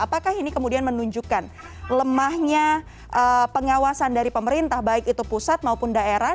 apakah ini kemudian menunjukkan lemahnya pengawasan dari pemerintah baik itu pusat maupun daerah